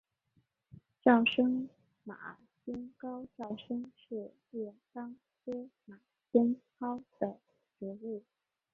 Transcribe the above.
沼生马先蒿沼生是列当科马先蒿属的植物。